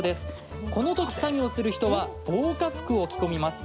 この時、作業をする人は防火服を着込みます。